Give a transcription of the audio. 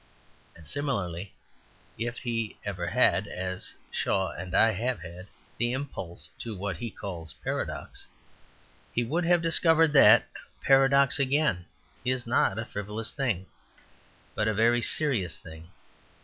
And similarly, if he had ever had, as Mr. Shaw and I have had, the impulse to what he calls paradox, he would have discovered that paradox again is not a frivolous thing, but a very serious thing.